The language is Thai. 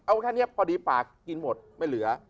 เอาแค่นี้พอดีปากกินหมดไม่เหลือ